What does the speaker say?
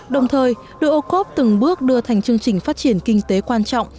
đồng thời đội ocob từng bước đưa thành chương trình phát triển kinh tế quan trọng